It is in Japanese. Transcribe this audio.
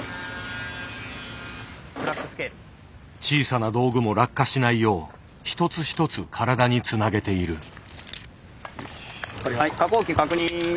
小さな道具も落下しないよう一つ一つ体につなげている。